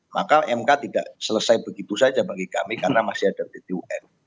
maka mk tidak selesai begitu saja bagi kami karena masih ada pt un